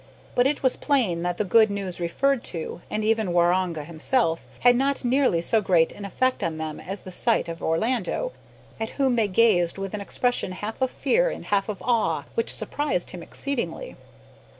But it was plain that the good news referred to, and even Waroonga himself, had not nearly so great an effect on them as the sight of Orlando, at whom they gazed with an expression half of fear and half of awe which surprised him exceedingly.